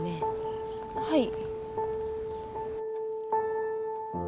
はい。